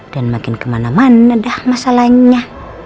dan makin kemana mana dah masalahnya